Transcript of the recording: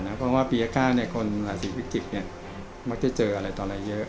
เพราะว่าปี๕๙คนราศีพิจิกษ์มักจะเจออะไรต่ออะไรเยอะ